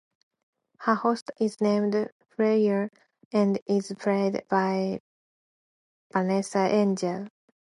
Her host is named Freyja, and is played by Vanessa Angel.